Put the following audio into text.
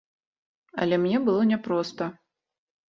Але мне было няпроста.